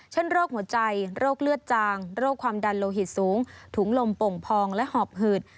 โรคหัวใจโรคเลือดจางโรคความดันโลหิตสูงถุงลมโป่งพองและหอบหืด